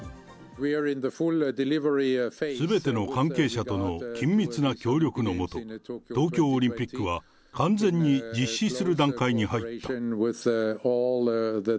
すべての関係者との緊密な協力の下、東京オリンピックは完全に実施する段階に入った。